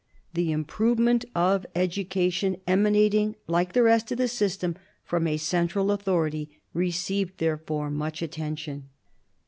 The improvement of education, emanating, like the rest of the system, from a central authority, received therefore much attention.